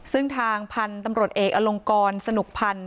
ซึ่งทางพันธุ์ตำรวจเอกอลงกรสนุกพันธ์